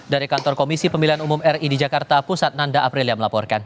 dari kantor komisi pemilihan umum ri di jakarta pusat nanda aprilia melaporkan